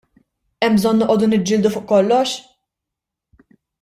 Hemm bżonn noqogħdu niġġieldu fuq kollox?